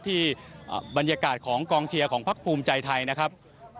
ที่บรรยากาศของกองเชียร์ของพักภูมิใจไทยนะครับ